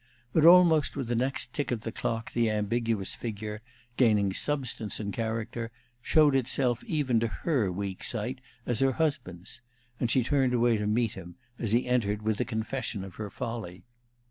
But almost with the next tick of the clock the ambiguous figure, gaining substance and character, showed itself even to her weak sight as her husband's; and she turned away to meet him, as he entered, with the confession of her folly.